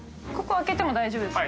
入っても大丈夫ですか？